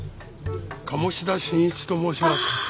鴨志田新一と申します。